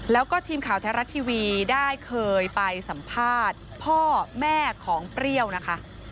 แล้วก็ทีมข่าวไทยรัฐทีวีได้เคยไปสัมภาษณ์พ่อแม่ของเปรี้ยวนะคะ